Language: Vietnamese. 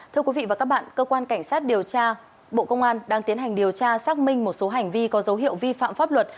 thưa quý vị và các bạn cơ quan cảnh sát điều tra bộ công an đang tiến hành điều tra xác minh một số hành vi có dấu hiệu vi phạm pháp luật